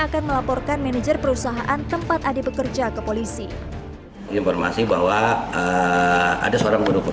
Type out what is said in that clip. akan melaporkan manajer perusahaan tempat ade bekerja ke polisi informasi bahwa ada seorang